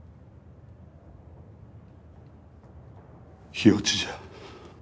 火落ちじゃ。